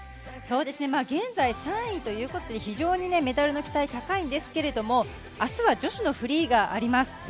現在３位ということで非常にメダルの期待が高いんですけれども明日は女子のフリーがあります。